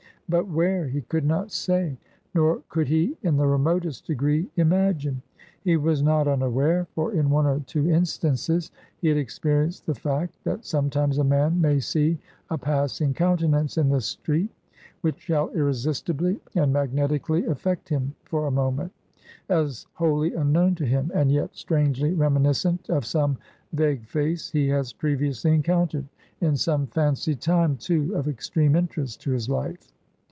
But where, he could not say; nor could he, in the remotest degree, imagine. He was not unaware for in one or two instances, he had experienced the fact that sometimes a man may see a passing countenance in the street, which shall irresistibly and magnetically affect him, for a moment, as wholly unknown to him, and yet strangely reminiscent of some vague face he has previously encountered, in some fancied time, too, of extreme interest to his life.